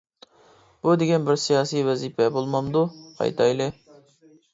بۇ دېگەن بىر سىياسىي ۋەزىپە بولمامدۇ؟ قايتايلى!